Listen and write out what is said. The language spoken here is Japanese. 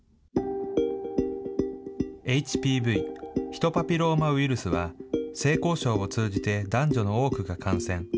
ＨＰＶ・ヒトパピローマウイルスは、性交渉を通じて男女の多くが感染。